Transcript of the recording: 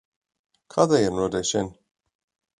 Cad é an rud é sin